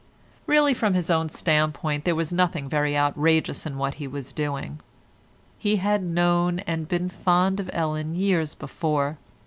Really from his own standpoint there was nothing very outrageous in what he was doing. He had known and been very fond of Ellen years before.